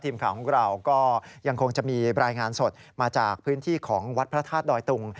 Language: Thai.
ทีมข่าวของเราก็ยังคงจะมีรายงานสดมาจากพื้นที่ของวัดพระธาตุดอยตุง